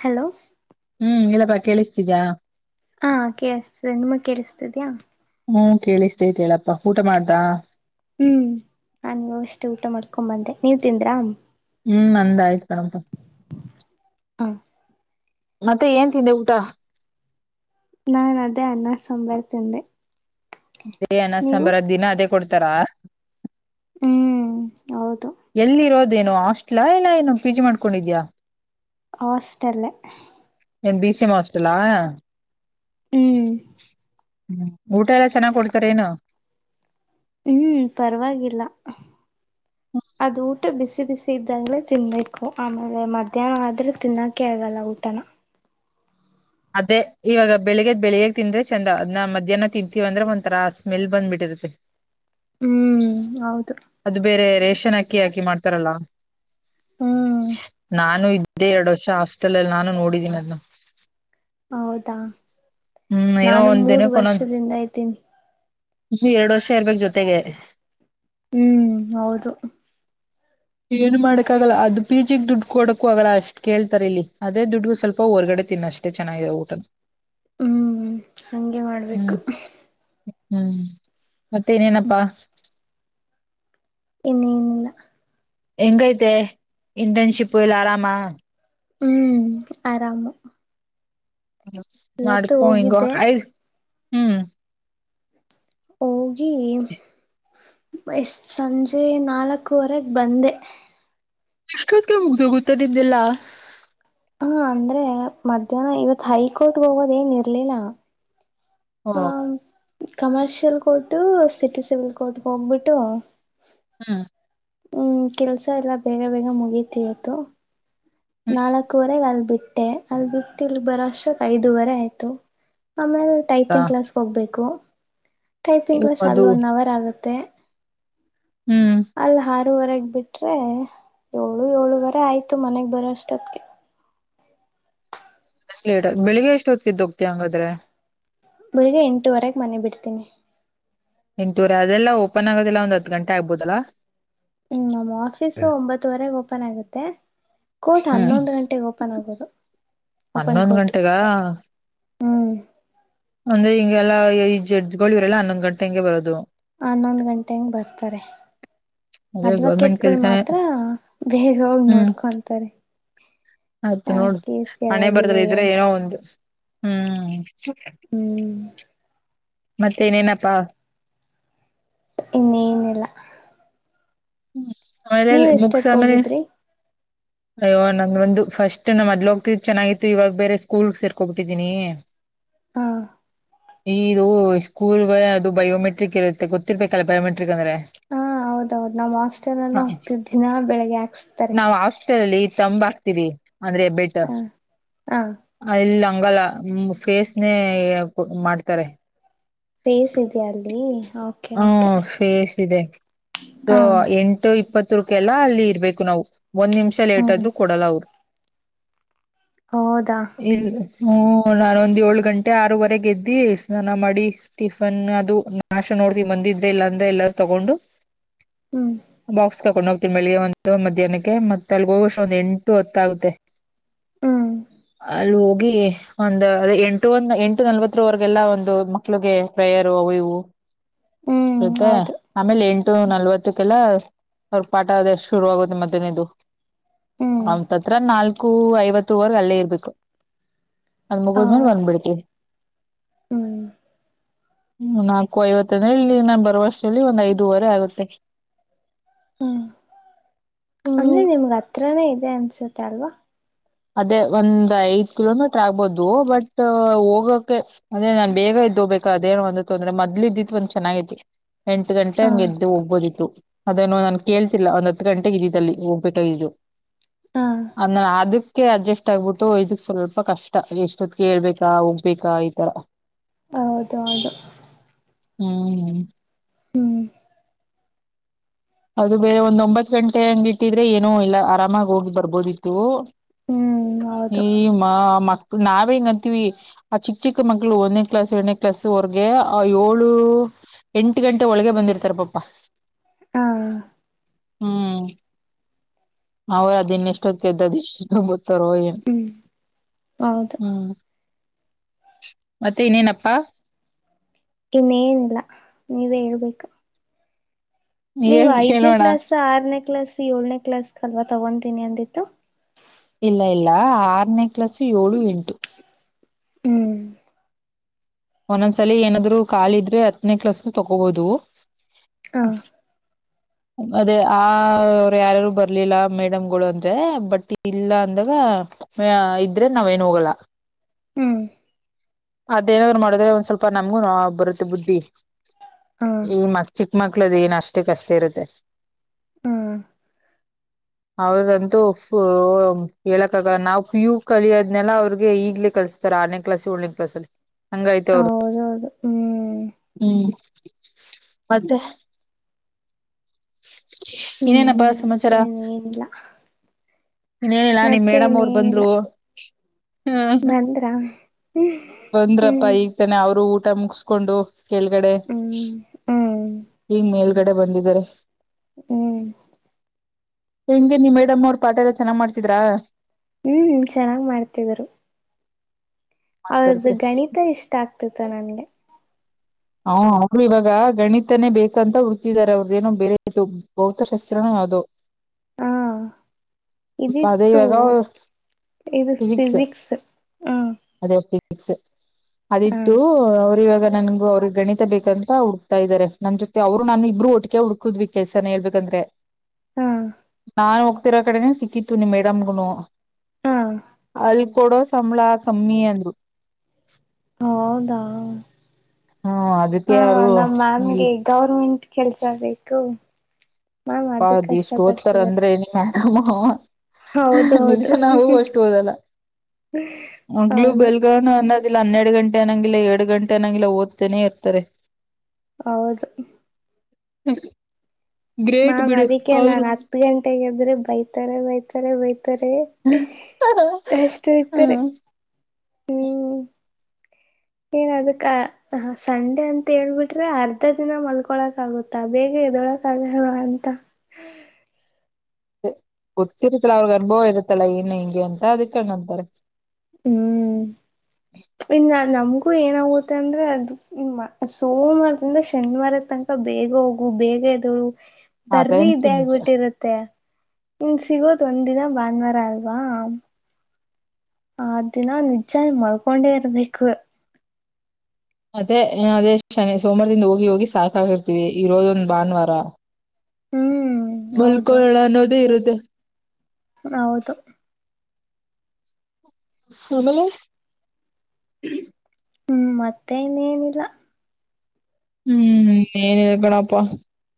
Hello ಹ್ಮ್ ಇಲ್ಲಪ್ಪಾ ಕೇಳಿಸ್ತಿದ್ಯ. ಹಾ ಕೇಳಿಸತದೆ ನಿಮ್ಗ್ ಕೇಳಿಸ್ತದ್ಯಾಾ ಹ್ಮ್ ಕೇಳಿಸ್ತೇತೆೇಳಪ್ಪಾ ಊಟ ಮಾಡ್ದಾ ಹ್ಮ್ ನಾ ನೀವು ಅಷ್ಟೇ ಊಟ ಮಾಡ್ಕೊ್ ಬಂದೆ ನೀವ್ ತಿಂದ್ರಾ ಹ್ಮ್ ನಂದಯ್ತು ಕಣಪ ಹಾಂ ಮತ್ತೆ ಏನ್ ತಿಂದೆ ಊಟ ನಾನ್ ಅದೇ ಅನ್ನ ಸಾಂಬರ ತಿಂದೆ ಅೇ ಅನ ನೀವು ಸಾಂಬಾರ ದಿನ ಅದೇ ಕೊಡ್ತಾರಾ ಹ್ಮ್ ಹೌದು ಎಲ್ಲಿರೋದೇನು ಹಾಸ್ಟ್ಲಾ ಇಲ್ಲ ಏನು ಪಿ ಜಿ ಮಾಡ್ಕೊಂಡಿದ್ಯಾ ಹಸ್ಟೆಲ್ ಏನ್ ಬಿಸಿಎಂ ಹಸ್ಟಲಾ ಹ್ಮ್ ಊಟ ಎಲ್ಲ ಚೆನ್ನಾಗ್ ಕೊಡ್ತಾರ ಏನು ಹ್ಮ್ ಪರವಾಗಿಲ್ಲ ಅದು ಊಟ ಬಿಸಿ ಬಿಸಿ ಸಿದ್ದಾಗಲೇ ತಿನ್ನಬೇಕು ಆಮೇಲೆ ಮಧ್ಯಾಹ್ನ ಆದರೆ ತಿನ್ನೋಕ್ಕೆ ಆಗಲ್ಲ ಊಟನ ಅದೇ ಇವಾಗ ಬೆಳಿಗ್ದ ಬೆಳಿಗ್ ತಿಿಂದ್ರೆ ಚಂದ ಅದನ್ನ ಮಧ್ಯಾಹ್ನ ತಿಂತೀವ ಅಂದ್ರೆ ಒಂಥರಾ ಸ್ಮೆಲ್ ಬಂದ್ಬಿಟ್ಟಿರುತ್ತೆ ಹ್ಮ್ ಹೌದು ಅದು ಬೇರೆ ರೇಷನ್ ಅಕ್ಕಿ ಹಾಕಿ ಮಾಡ್ತಾರಲ್ಲ ಹ್ಮ್ ನಾನು ಅದೇ ಎರಡು ವರ್ಷ ಹಸ್ಟೆಲ್ಲ್ಲಿ ನಾನು ನೋಡಿದಿನಿ ಅದನ್ನು ಹೌದಾ ಹ್ಮ್ ಏನೋ ನಾನು ಒಂದ್ ಮೂರು ವರ್ಷದಿಂದ ಐತೀನಿ ಹ ಎರಡು ವರ್ಷ ಇರ್ಬೇಕು ಜೊತೆಗೆ ಹ್ಮ್ ಹೌದು ಏನ್ ಮಾಡಕಕ್ಕಾಗಲ್ಲ ಅದು ಪಿ ಜಿಗೆ ದುಡ್ಡು ಕೊಡಕ ಆಗಲ್ಲ ಅಷ್ಟ್ ಕೇಳ್ತಾರೆ ಇಲ್ಲಿ ಅದೇ ದುಡ್ಡುಗ ಸ್ವಲ್ಪ ಹೊರ್ಗಡೆ ತ ತಿನ್ನಷ್ಟು ಮ ಚೆನ್ನಾಗಿ ಊಟು ಹ್ಮ್ ಹಂಗೆ ಹ್ಮ್ ಮಾಡ್ಬೇಕು ಹ್ಮ್ ಮತ್ತೆನೇನಪ್ಪಾ ಇನ್ನನಿಲ್ಲ ಎಂಗ ಐತೆ ಇಂಟರ್ನ್ಷಿಪ್ ಇಲ್ಲ ಆರಾಮಾ ಹ್ಮ್ ಆರಾಮ ಮಾಡ್ಕೊ ಹಿಂಗ ಹೋಗಿದ್ದೆ ಯ್ ಹ್ಮ್ ಹೋಗಿ ಎಷ್ಟ ಸಂಜೆ ನಾಲ್ಕವರೆಗೆ ಬಂದೆ ಎಷ್ಟೊತ್ತಿಗೆ ಮುಗ್ದು ಗೊತ್ತದಿದ್ದೆಿಲ್ಲಾ ಹಾ ಅಂದ್ರೆ ಮಧ್ಯಾಹ್ನ ಇವತ್ ಹೈಕೋರ್ಟ್ ಹೋಗೋದ ಏನ್ ಇರ್ಲಿಲ್ಲ ಓ ಹ commercial court city civil court ಹೋಗ್ಬಿಟ್ಟು ಹ್ಮ್ ಹ್ಮ್ ಕೆಲ್ಸ ಎಲ್ಲ ಬೇಗ ಬೇಗ ಮುಗತಿಯತ್ತು ನಾಲ್ಕವರೆಗೆ ಅಲ್ ಬಿಿಟ್ಟ ಅದು ಬಿಟ್ಟು ಇಲ್ಲಿ ಬರಷ್ಟಕ್ ಐದುವರೆ ಆಯ್ತು ಆಮೇಲೆ ಟೈಪಿಂಗ್ ಹ್ಮ್ ಕ್ಲಾಸ್ ಹೋಗ್ಬೇಕು ಟೈಪಿಂಗ್ ಕ್ಲಾಸ್ ಅದು ಅಲ್ಲಿ ಒನ್ ಅವರ್ ಆಗುತ್ತೆ ಹ್ಮ್ ಅಲ್ ಆರೂುವರೆಗ್ ಬಿಟ್ರೆ ಏಳು ಏಳುವರೆ ಆಯ್ತು ಮನೆಗ್ ಬರೋಷ್ಟತ್ಗೆ ಲೇಟ್ ಆಯತ ಬೆಳಿಗ್ ಎಷ್ಟ ಹೊತ್ತತ್ತುುೋಗತಿ ಹಂಗಾದ್ರೆ ಬೆಳಗ್ಗೆಂಟುವರೆಗೆ ಮನೆ ಬಿಡ್ತೀನಿ ಎಂಟೂರ ಅದೆಲ್ಲ ಓಪನ್ ಆಗೋದಿಲ್ಲ ಒಂದ್ ಹ್ ಗಂಟೆ ಆಗ್ಬಹದಲ್ಲಾ ಹ್ಮ್ ನಮ್ಮ ಆಫೀಸು ಒಂಬತ್ತುವರೆಗೆ ಓಪನ್ ಆಗುತ್ತೆ ಕೋಟ ಹ್ಮ್ ಹನ್ನೊಂದು ಗಂಟೆಗೆ ಓಪನ್ ಆಗೋದು ಓಪನ್ ಹನ್ನೊಂದು ಕೋರ್ಟ್ ಗಂಟೆಗ ಹ್ಮ್ ಅಂದ್ರೆ ಹಿಂಗೆಲ್ಲ ಈ ಜಡ್ಜ್ ಗಳು ಎಲ್ಲ ಹಾನೊಂದು ಗಂಟೆ ಹಂಗೆ ಬರೋದು ಹನ್ನೊಂದು ಗಂಟೆಂಗ ಬರ್ತಾರೆ ಅದೇ ಅಡ್ವಕೇಟ್ ಗೌರ್ಮೆಂಟ್ ಗಳು ಕೆಲ್ಸನೇ ಮಾತ್ರ ಬೇಗ ಹ್ಮ್ ನೋಡ್ಕೊಂತಾರೆ ಆಯ್ತು ಆ ನೋಡು ಕೇಸ್ ಹನ್ನೆಬರಹ ಯಾವಾಗಿದೆ ಬರ್ತದೆ ಇದ್ರೆ ಅಂತ ಏನೋ ಒಂದು ಹ್ಮ್ ಹ್ಮ್ ಮತ್ತೆೇನೇನಪ್ಪಾ ಇನ್ನೇಏನಿಲ್ಲ ಹ್ಮ್ ಮನೇಲಿ ನೀವ್ ಎಷ್ಟೊತ್ ಮುುಕ್ಸಮೇಲ ಹೋಗಿದ್ರಿ ಅಯ್ಯೋ ನಂಗ್ ಒಂದು ಫಸ್ಟ್ ನಾ ಮೊದ್ ಹೋಗ್ತಿದ್ ಚೆನ್ನಾಗಿತ್ತು ಇವಾಗ ಬೇರೆ ಸ್ಕೂಲ್ ಸೇರ್ಕೊಬಿಟ್ಟಿದ್ದೀನಿ [unintelligible] ಹಾ ಇದು ಸ್ಕೂಲ್ಗೆ ಅದು ಬಯೋಮೆಟ್ರಿಕ್ ಇರುತ್ತೆ ಗೊತ್ತಿರ್ಬೇಕಲ್ಲ ಬಯೋಮೆಟ್ರಿಕ್ ಅಂದ್ರೆ ಹಾ ಹೌದೌದು ನಮ್ ಹಾಸ್ಟೆಲ್ ಮೊಸರನ್ನ ಹಾಕ್ತಿರ್ ದಿನ ಬೆಳಗ್ಗೆ ಹಾಕ್ತಾರೆ ಲ್ಲಿ ತಂಬ ಹಾಕ್ತಿವಿ ಅಂದ್ರೆ ಬೆಟ ಹ ಹ ಇಲ್ಲ ಹಂಗಲ್ಲ ಫೇಸ್ನೇ ಮಾಡ್ತಾರೆ ಪೇಸ್ ಇದೆಯ ಅಲ್ಲಿ ಹ್ಮ ಓಕೆ ಫೇಸ್ ಇದೆ ಹ ಎಂಟು ಇಪ್ಪತ್ತಕ್ಕೆಲ್ಲ ಅಲ್ಲಿ ಇರ್ಬೇಕು ನಾವು ಒಂದ್ ನಿಮಿಷ ಲೇಟ್ ಹ್ಮ್ ಆದ್ರು ಕೊಡಲ್ಲ ಅವರು ಹೌದಾ ಇಲ್ಲ ಹೂ ನಾನೊಂದ ಏಳು ಗಂಟೆ ಆರೂವರೆಗೆ ಎದ್ದಿ ಸ್ನಾನ ಮಾಡಿ ಟಿಫನ್ ಅದು ನಾ ನೋಡ್ತೀವಿ ಮಂದ ಇದ್ರೆ ಇಲ್ಲ ಅಂದ್ರೆ ಎಲ್ಲು ತಗೊಂಡು ಹ್ಮ್ ಬಾಕ್ಸ್ ತಕೊಂಡು ಹೋಗ್ತವಿ ಬೆಳಿಗ್ಗೆ ಒಂದು ಮಧ್ಯಾಹ್ನಕ್ಕೆ ಮತ್ತತ್ ಅಲ್ಲಿಗೆ ಹೋಗುವಷ್ಟ ಒಂದ್ ಎಂಟು ಹತ್ತ ಆಗುತ್ತೆ ಹ್ಮ್ ಅಲ್ಲಿ ಹೋಗಿ ಒಂದ್ ಅ ಎಂಟು ಒಂದ ಎಂಟು ನಲ್ವತ್ತರವರೆಗೆಲ್ಲಾ ಒಂದು ಮಕ್ಲುಗೆ [unintelligible] ಪ್ರಯರ್ ಅವು ಇವು ಹ್ಮ್ ಇರುತ್ತ ಹೌದು ಆಮೇಲೆ ಎಂಟು ನಲ್ವತ್ತಕ್ಕೆಲ್ಲ ಪಾಠ ಅದೆಷ್ಟ ಶುರು ಆಗುತ್ತೆ ಮಧನ ಇದು ಹ್ಮ್ ನಾನ್ ಹತ್ತಿರ ನಾಲ್ಕು ಐವತ್ತು ವರ್ ಅಲ್ಲೇ ಇರ್ಬೇಕು ಅಲ್ಲಿ ಮುಗದ್ ಮೇಲೆ ಹೌದು ಬಂದ್ ಬಿಡ್ತೀವಿ ಹ್ಮ್ ಹ್ಮ ನಾಲ್ಕು ಐವತ್ತಂದ್ರಲ್ಲಿ ಇಲ್ಲಿ ನಾನ್ ಬರುವಷ್ಟಲ್ಲಿ ಒಂದ್ ಐದುವರೆ ಆಗುತ್ತೆ ಹ್ಮ್ ಅಂದ್ರೆ ನಿಮಗ ಹತ್ರನೇ ಇದೆ ಅನ್ಸುತ್ತೆ ಅಲ್ವಾ. ಅದೇ ಒಂದ್ ಐದ್ ಕಿಲೋಮೀಟ್ರ ಆಗ್ಬೋದು ಬಟ್ ಹೋಗಕೆ ಅದೇ ನಾನ್ ಬೇಗ ಇದ್ದ ಹೋಗ್ಬೇಕ ಅದೇ ಒಂದ್ ತೊಂದ್ರೆ ಮದ್ಲ ಇದ್ದಿದ್ ಒಂದ ಚನಾಗಿತ್ತು ಎಂಟು ಗಂಟೆ ಹ ಹಂಗೆ ಎದ್ದು ಹೋಗ್ಬೋದಿತ್ತು ಅದೇನ್ನು ನನ್ ಕೇಳ್ತಿಲ್ಲ ಅವ್ನ್ ಹತ್ ಗಂಟೆಗೆ ಇದಿದ ಅಲ್ಲಿ ಹೋಗ್ಬೇಕಾಗಿದ್ದು ಹಾ ಅನ್ನ ಅದ್ [unintelligible] ಅದ್ಕೆ ಅಡ್ಜಸ್ಟ್ ಆಗ್ಬಿಟ್ಟು ಇದಕ್ ಸ್ವಲ್ಪ ಕಷ್ಟ ಎಷ್ಟೊತ್ಗೆ ಏಳ್ಬೇಕಾ ಹೋಗ್ಬೇಕಾ ಈ ತರ ಹೌದ ಹೌದು ಹ್ಮ್ ಹ್ಮ ಹ್ಮ್ ಅದು ಬೇರೆ ಒಂದ ಒಂಬತ್ ಗಂಟೆ ಹಂಗ ಇಟ್ಟಿದ್ರೆ ಏನೋ ಇಲ್ಲ ಆರಾಮಾಗಿ ಹೋಗಿ ಬರ್ಬೋದಿತ್ತು ಹ್ಮ್ ಹೌದು ಹೇ ಮಾ ಮಕ್ ನಾವೇ ಹಿಂಗ್ ಅಂತೀವಿ ಆ ಚಿಕ್ಕ ಚಿಕ್ಕ ಮಕ್ಳು ಒಂದನೇ ಕ್ಲಾಸ್ ಎರಡನೇ ಕ್ಲಾಸ್ ವರ್ಗೆ ಆ ಏಳು ಎಂಟು ಗಂಟೆ ಒಳಗೆ ಬಂದಿರ್ತಾರೆ ಪಪಾ. ಹಾ ಹ್ಮ ಅವ್ರರು ಅದ ಇನ್ನ ಎಷ್ಟೊತದ್ಗೆದ್ದು ಅದು ಇಷ್ಟು ಬತ್ತರೋ ಏನೋ. ಹ್ಮ್ ಹೌದು. ಹ್ಮ್ ಮತ್ತೆ ಇನೇನಪ್ಪಾ. ಇನ್ನೇನಿಲ್ಲ ನೀವೇ ಹೇಳ್ಬೇಕು. ನೀವ ಹೇಳ್ ಐದನೇ ಕೇಳೋಣ ಕ್ಲಾಸ್ ಆರನೇ ಕ್ಲಾಸ್ ಏಳನೇ ಕ್ಲಾಸ್ ಅಲ್ವಾ ತಗೊತೀನಿ ಅಂದಿದ್ದು. ಇಲ್ಲ ಇಲ್ಲ ಆರನೇ ಕ್ಲಸ್ ಏಳು ಎಂಟು. ಹ್ಮ್ ಒಂದೊಂದ್ಸಲ ಏನಾದ್ರು ಕಾಲಿದ್ರೆ ಹತ್ತನೇ ಕ್ಲಾಸ್ ತಗೋಬೋದು. ಹ [inaudible] ಅದೇ ಆ ಅವರು ಯಾರಾರು ಬರ್ಲಿಲ್ಲ ಮೇಡಮ್ಗಳು ಅಂದ್ರೆ ಬಟ್ ಇಲ್ಲ ಅಂದಾಗ. ಇದ್ರೆ ನಾವೇನು ಹೋಗಲ್ಲ. ಹ್ಮ್ ಅದೇನಾದ್ರು ಮಾಡಿದ್ರೆ ಸ್ವಲ್ಪ ನಮ್ಗೂ ಕ್ನೊ ಬರುತ್ತೆ ಬುದ್ಧಿ. ಹ [unintelligible] ಚಿಕ್ ಮಕ್ಲುದು ಅಷ್ಟಕಷ್ಟೇ ಇರುತ್ತೆ. ಹ್ಮ್ ಅವ್ರಗಂತೂ ಫ ಹೇಳಕ್ಕಾಗಲ್ಲ ನಾವು ಪಿ ಯು ಕಲಿಯೋದ್ನೆಲ್ಲ ಅವ್ರಿಗೆ ಈಗ್ಲೇ ಕಲ್ಸ ತಾರೆ ಆರನೇ ಕ್ಲಾಸ್ ಏಳನೇ ಕ್ಲಸ್ಲ್ಲಿ ಹಂಗ ಐತೆ ಅವರದು. ಹೌದು ಹ್ಮ್. ಹ್ಮ್ ಮತ್ತೆ. ಇನ್ನೇನಪ್ಪಾ ಸಮಾಚಾರ. ಏನಿಲ್ಲ. ಇನ್ನೇನಿಲ್ಲ ನಿಮ್ ಮೇಡಮ್ ಅವ್ರು ಇನ್ನೇನಿಲ್ಲ ಬಂದ್ರು. ಹ್ಮ ಬಂದ್ರ. ಹ್ಮ್ ಬಂದ್ರಪ್ಪಾ ಈಗ ತಾನೆ ಅವರು ಊಟ ಮುಗಸ್ಕೊಂಡು. ಕೆಳ್ಗಡೆ ಹ್ಮ್ ಹ್ಮ್ ಹ್ಮ್ ಈಗ ಮೇಲ್ಗಡೆ ಬಂದಿದ್ದಾರೆ. ಹ್ಮ್ ಹೆಂಗೆ ನೀ ಮೇಡಮ್ ಅವ್ರು ಪಾಠ ಎಲ್ಲ ಚೆನಾಗ್ ಮಾಡ್ತಿದ್ರಾ. ಹ್ಮ್ ಚೆನ್ನಾಗ್ ಮಾಡ್ತಿದ್ರು. ಮಾತಾಡಿದ್ರಿ ಅವರ್ದು ಗಣಿತ ಇಷ್ಟ ಆಗ್ತಿತ್ತು ನನ್ಗೆ. ಹ ಅವರು ಇವಾಗ ಗಣಿತನೇ ಬೇಕಂತ ಹುಡುಕ್ತಿದ್ದಾರೆ ಅವ್ರ್ದಏನೋ ಬೇರೆದು. ಭೌತಶಾಸ್ತ್ರನೊ ಯಾವ್ದೋ. ಹಾ ಅದೇ ಇದಿತ್ತು ಇವಾಗ ಓಕೆ. ಇದು ಫಿಸಿಕ್ಸ್ ಹ. ಅದೇ ಫಿಸಿಕ್ಸ್ ಅದಿತ್ತು ಅವ್ರ ಇವಾಗ ನನ್ಗೂ ಅವ್ರಿಗೆ. ಗಣಿತ ಬೇಕಂತ ಹುಡುಕ್ತಾ ಇದಾರೆ ನಮ್ ಜೊತೆ ಅವ್ರು ನಾನು ಇಬ್ರು ಒಟ್ಟಿಗೆ ಹುಡುಕದ್ವಿ ಕೆಸಾನ ಹೇಳ್ಬೇಕಂದ್ರೆ. ಹಾ ನಾನ್ ಹೋಗ್ತಿರೋ ಕಡೆನೆ ಸಿಕ್ಕಿತ್ತು ನೀ ಮೇಡಮ್ಗನು. ಹಾ ಅಲ್ ಕೊಡೋ ಸಂಬಳ ಕಮ್ಮಿ ಅಂದ್ರು. ಹೌದಾ. ಹ್ಮ ಅದಿ ಹಾ ನಮ್ ಮ್ಯಾಮ್ಗೆ ಗೌರ್ಮೆಂಟ್ ಕೆಲ್ಸ ಬೇಕು. ಮ್ಯಾಮ್ ಅಪ್ಪ ಅದು ಅದ್ ಕಷ್ಟ ಎಸ್ಟ್ ಓದ್ತಾರೆ ಪಡ್ತಿದ್ದಾರೆ ಅಂದ್ರೆ ನಿಮ್ ಮೇಡಮ್ಮು. ಹೌದು ನಿಜ ಹೌದು ನಾವು ಅಷ್ಟು ಓದಲ್ಲ ಮೊದಲು ಹೌದು ಬೆಲ್ ಈಗ ಅನ್ನೋದಿಲ್ಲ ಹನ್ನೆಡು ಗಂಟೆ ಆನಂಗಿಲ್ಲ ಎರಡು ಗಂಟೆ ಅನಂಗಿಲ್ಲ ಓದ್ತನೇ ಇರ್ತಾರೆ. ಹೌದು ಗ್ರೇಟ್ ಮ್ಯಾಮ್ ಬಿಡು ಅದಕ್ಕೆ ಹೌರು ನಾನ್ ಹತ್ತು ಗಂಟೆಗೆದ್ರೆ ಬೈತಾರೆ ಬೈ ಹ್ಮ್ ಏನ್ ಅದಕ್ಕ ಸಂಡೆ ಅಂತ ಹೇಳ್ಬಿಟ್ರೆ ಅರ್ಧ ದಿನ ಮಲ್ಕೊಳಕ್ ಆಗುತ್ತೆ ತ ಬೇಗದೊಳಕ ಹಾಗಲ್ವಾ ಅಂತ ಗೊತಿರುತ್ತಲ್ಲ ಅವ್ರಗ್ ಅನುಭವ ಇರುತ್ತಾ ಏನ್ ಹೆಂಗೆ ಅಂತ ಅದಕೆ ಅಂಗ ಅಂತಾರೆ ಹೂ ಹೂ ಇನ್ನು ನಮಗೂ ಏನಾಗುತ್ತೆ ಅಂದ್ರೆ ಅದು ಸೋಮವಾರದಿಂದ ಶನಿವಾರ ತನಕ ಬೇಗ ಹೋಗು ಬೇಗ ಎದ್ದೇಳು ಬರ್ರಿ ಅದಂತು ಇದೆ ನಿಜ ಆಗ್ಬಿಟ್ಟಿರತ್ತೆ ಹು ಸಿಗೋದು ಒಂದಿನ ಭಾನುವಾರ ಅಲ್ವಾ ಅ ದಿನ ನಿಜ ಮಳ್ಕೊಂಡೇ ಇರ್ಬೇಕು ಅದೇ ಅದೇ ಶನಿ ಸೋಮವಾರದಿಂದ ಹೋಗಿ ಹೋಗಿ ಸಾಕಾಗಿರ್ತಿವಿ ಇರೋದೊ ಒಂದ ಭಾನುವಾರ ಹ್ಮ್ ಹೌದು ಮಲ್ಕೋಳ ಅನ್ನೋದೇ ಇರುತ್ತೆ ಹೌದು ಅಮೇಲೆ ಹೂ ಮತ್ತೆ ಇನ್ ಎನಿಲ್ಲ ಹೂ ಏನ್ ಹೇಳ್ಕಣಪ್ಪಾ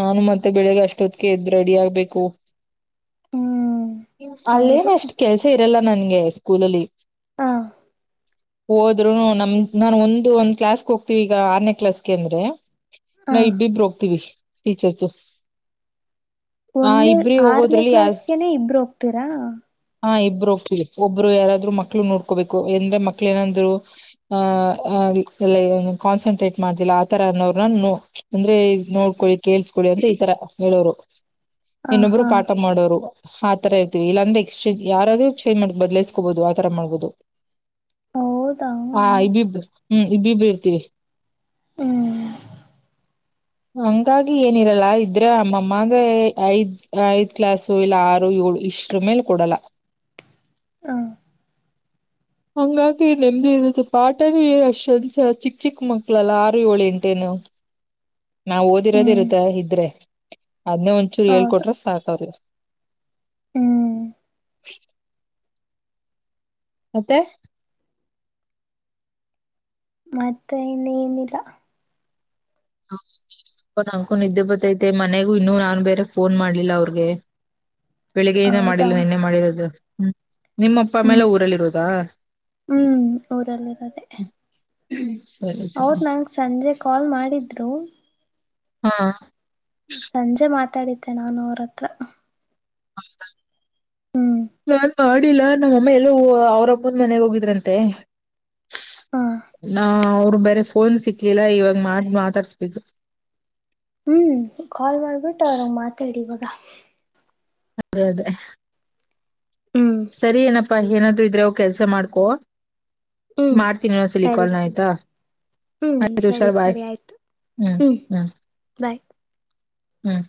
ನಾನು ಮತ್ತೆ ಬೆಳಿಗ್ ಅಷ್ಟೊತ್ತಿಗೆ ಎದ್ದ್ ರೆಡಿ ಆಗ್ಬೇಕು ಹೂ ಅಲ್ಲೇನ ಅಷ್ಟ್ ಕೆಲ್ಸ ಇರಲ್ಲ ನನ್ಗೆ ಸ್ಕೂಲಲ್ಲಿ ಹಾ ಹೋದ್ರು ನಮ ನಾನ್ ಒಂದು ಒಂದ್ ಕ್ಲಾಸ್ಗೆ ಹೋಗ್ತೀವಿ ಈಗ ಆರನೇ ಕ್ಲಾಸ್ಗೆ ಅಂದ್ರೆ ಹ ನಾ ಇಬ್ಬಿಬ್ರು ಹೋಗತಿವಿ ಟೀಚರ್ಸು ಆ ಒಂದ ಇಬ್ರಿ ಆರನೇ ಹೋಗೋದ್ರಲ್ಲಿ ಯ ಕ್ಲಾಸ್ಗೆನೆ ಇಬ್ರು ಹೋಗ್ತೀರಾ ಹಾ ಇಬ್ಬರು ಹೋಗ್ತಲಿ ಒಬ್ರು ಯಾರಾದ್ರು ಮಕ್ಳು ನೋಡ್ಕೋಬೇಕು ಎಂದ್ರೆ ಮಕ್ಳ ಏನಾದ್ರು ಆಹ ಎಲ್ಲ ಕಾನ್ಸಂಟ್ರೇಟ್ ಮಾಡ್್ದಿಲ್ಲ ಆತರನ್ನೋ್ರನೋ ಅಂದ್ರೆ ನೋಡ್ಕೊಳ್ಳಿ ಕೇಳ್ಸ್ಕೋಳ್ಳಿ ಅಂತ ಈತರ ಹೇಳೋರು ಹ ಇನ್ನೊಬ್ರು ಹಾ ಪಾಠ ಮಾಡೋರು ತರ ಇರ್ತಿವಿ ಇಲ್ಲಂದ್ರೆೇ ಎಕ್ಸ್ಚೇಂಜ್ ಯಾರಾದ್ರೂ ಚೇಂಜ್ ಮಾಡಬೋದು ಬದಲೇಸ್ಕೋಬಹುದು ಆ ತರ ಮಾಡ್ಬಹುದು ಹೌದಾ ಹಾ ಹ್ಮ್ ಇಬ್ಬಿಬ್ರು ಹೂ ಇಬ್ಬೀರು ಇರ್ತೀವಿ ಹೂ ಹ ಹಂಗಾಗಿ ಏನಿರಲ್ಲ ಇದ್ರೆ ಅಮ್ಮಮ್ಮಾ ಐದ್ ಐದ್ ಕ್ಲಾಸು ಇಲ್ಲ ಆರು ಏಳು ಇಷ್ಟ್ರ ಮೇಲೆ ಕೊಡಲ್ಲ ಹಾ ಹಂಗಾಗಿ ನೆಮದಿ ಇರುತಿ ಪಾಠನ ಅಷ್ಟೊಂದಸ ಚಿಕ್ಕ ಚಿಕ್ಕ ಮಕ್ಳಲ್ಲ ಆರು ಏಳು ಎಂಟೆನು ನಾ ಓದಿರೋದ ಹ್ಮ್ ಇರುತ್ತೆ ಇದ್ರೆ ಅದನ್ನೇ ಒಂ ಚೂರು ಹೇಳ್ ಕೊಟ್ರೆ ಸಾಕ ಅವ್ರಿಗೆ ಹೂ ಮತ್ತೆ ಮತ್ತೆ ಇನ್ನ ಏನಿಲ್ಲ ಒ ನ ಅಂಕೂ ನಿದ್ದೆ ಗೊತ್ತೈತೆ ಮನೆಗೂ ಇನ್ನುೂ ನಾನ್ ಬೇರೆ ಫೋನ್ ಮಾಡ್ಲಿಲ್ಲ ಅವ್ರಗೆ ಬೆಳಿಗ್ಗೆಯನ ಹೌದಾ ಮಾಡಿಲ್ವ ನಿನ್ನೆ ಮಾಡಿರೋದು ಹೂ ನಿಮ್ಮಪ್ಪ ಮೇಲೆ ಹ್ಮ್ ಊರಲ್ಲಿರುೋದಾ ಹ್ಮ್ ಅವರು ನನಗೆ ಸಂಜೆ ಕಾಲ್ ಮಾಡಿದ್ದರು ಹ್ಹಾ ಹ್ಹ. ಸಂಜೆ ಮಾತಾಡಿದ್ದೆ ನಾನು ಅವ್ರ ಹತ್ರ. [inaudible] ಹ್ಮ್. ನಾನ್ ಮಾಡಿಲ್ಲಾ ನಮ್ಮಮ್ಮ ಎಲ್ಲೋ ಅವ್ರ ಅಪ್ಪನ ಮನೆಗ್ ಹೋಗಿದ್ರಂತೆ. ಹ ನಾ ಅವರು ಬೇರೆ ಫೋನ್ ಸಿಕ್ಲಿಲ್ಲ ಇವಾಗ ಮಾಡ ಮಾತಾಡ್ಸ್ಬೇಕು. ಹ್ಮ್ ಕಾಲ್ ಮಾಡ್ಬಿಟ್ಟು ಅವರ ಮಾತಾಡಿ ಇವಾಗ. ಅದೇ ಅದೇ ಹ್ಮ್ ಸರಿ ಏನಪ್ಪ ಪ್ಪಾ ಏನಾದ್ರೂ ಇದ್ರೆ ಹೋಗಿ ಕೆಲ್ಸ ಮಾಡ್ಕೊ ಹ್ಮ್ ಮಾಡ್ತೀನಿ ಇನ್ನೊಂದು ಸಲಿ ಸರಿ ಕಾಲ್ ಸರಿ ಆಯ್ತಾ. ಹ್ಮ್ ಆಯ್ತು ಸರಿ ಹುಷಾರು ಬಾಯ ಸರಿ ಆಯ್ತು ಹ್ಮ್ ಹ್ಮ್ ಬಾಯ್. ಹ್ಮ್.